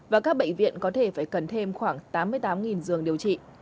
và các bệnh viện có thể phải cần thêm khoảng tám mươi tám giường điều trị